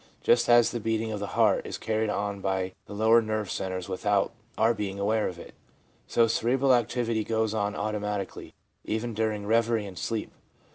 Just as the beating of the heart is carried on by the lower nerve centres without our being aware of it, so cerebral activity goes on automatically, even during reverie and sleep.